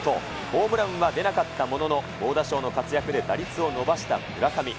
ホームランは出なかったものの猛打賞の活躍で、打率を伸ばした村上。